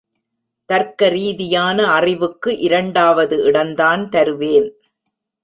தர்க்க ரீதியான அறிவுக்கு இரண்டாவது இடந்தான் தருவேன்.